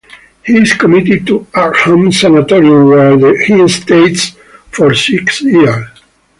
He is committed to Arkham sanatorium, where he stays for six years.